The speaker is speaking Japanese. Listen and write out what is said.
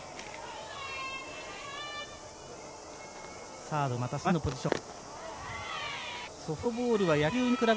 サードが、また少し前のポジション。